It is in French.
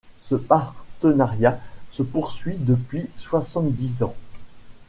Ce partenariat se poursuit depuis soixante-dix ans.